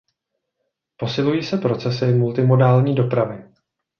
Posilují se procesy multimodální dopravy.